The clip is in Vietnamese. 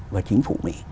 và chính phủ mỹ